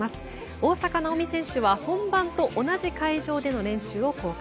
大坂なおみ選手は本番と同じ会場での練習を公開。